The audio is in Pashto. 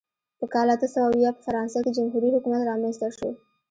په کال اته سوه اویا په فرانسه کې جمهوري حکومت رامنځته شو.